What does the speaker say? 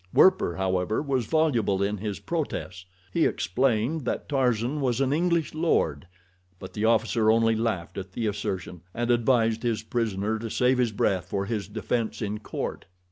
Werper, however, was voluble in his protests. He explained that Tarzan was an English lord; but the officer only laughed at the assertion, and advised his prisoner to save his breath for his defense in court.